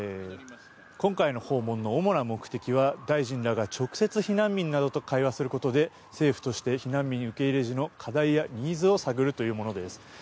今回の訪問の主な目的は大臣らが直接避難民などと会話することで政府として避難民受け入れ時の課題やニーズを探るというものです。